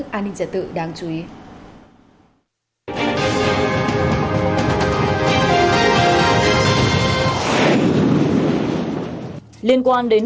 liên quan đến vụ cháy quán karaoke an phú ở thành phố thuận an tỉnh bình dương khiến cho ba mươi hai người tử vong